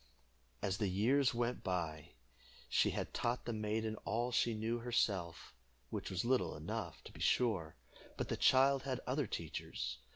As the years went by, she had taught the maiden all she knew herself, which was little enough, to be sure; but the child had other teachers.